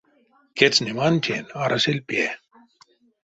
Кецнемантень арасель пе.